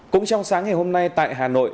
cũng trong sáng ngày hôm nay tại hà nội